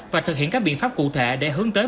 và thực hiện các biện pháp cụ thể để hướng tới